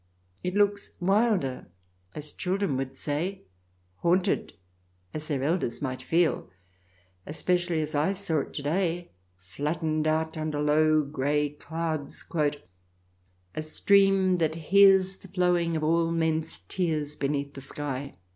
It looks " wilder," as children would say ;" haunted," as their elders might feel, especially as I saw it to day, flattened out under low, grey clouds, " a stream that hears the flowing of all men's tears beneath the sky."